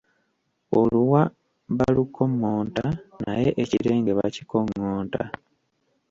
Oluwa balukommonta naye ekirenge bakikoŋŋonta.